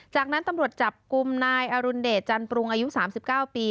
จากนั้นตำรวจจับกุมนายอรุณเดชจันปรุงอายุสามสิบเก้าปี